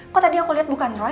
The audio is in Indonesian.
kok tadi aku lihat bukan roy